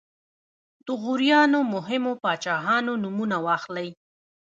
د غوریانو مهمو پاچاهانو نومونه واخلئ.